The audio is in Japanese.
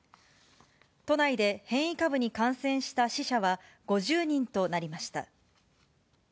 都内で変異株に感染した死者は５０人となりました。